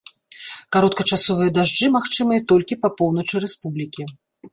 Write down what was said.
Кароткачасовыя дажджы магчымыя толькі па поўначы рэспублікі.